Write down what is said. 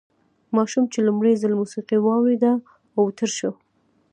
ماشوم چې لومړی ځل موسیقي واورېده اوتر شو